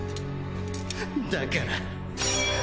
だから。